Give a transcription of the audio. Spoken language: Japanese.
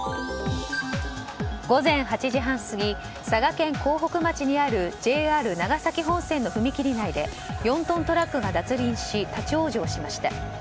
午前８時半過ぎ佐賀県江北町にあるＪＲ長崎本線の踏切内で４トントラックが脱輪し立ち往生しました。